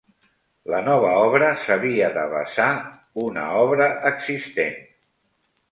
La nova obra s'havia de basar una obra existent.